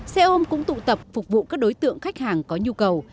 xe ôm cũng tụ tập phục vụ các đối tượng khách hàng có nhu cầu